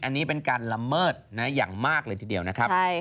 อันนี้เป็นการละเมิดอย่างมากเลยทีเดียวนะครับ